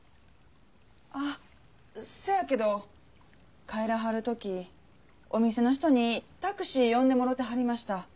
あっそやけど帰らはる時お店の人にタクシー呼んでもろてはりました。